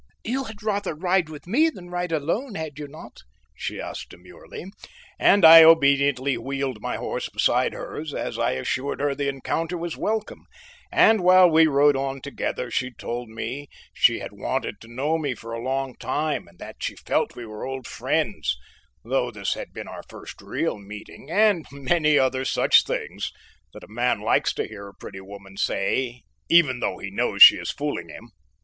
"You had rather ride with me than ride alone, had you not?" she asked demurely, and I obediently wheeled my horse beside hers, as I assured her the encounter was welcome; and while we rode on together, she told me she had wanted to know me for a long time, and that she felt we were old friends, though this had been our first real meeting, and many other such things that a man likes to hear a pretty woman say even though he knows she is fooling him.